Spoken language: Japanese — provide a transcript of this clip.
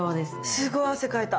すごい汗かいた！